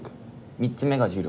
３つ目が重力。